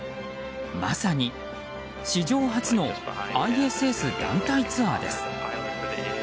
まさに史上初のＩＳＳ団体ツアーです。